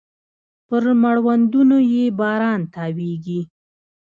پر مړوندونو يې باران تاویږې